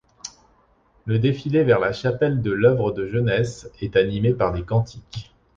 Le défilé vers la chapelle de l’Œuvre-de-Jeunesse est animé par des cantiques.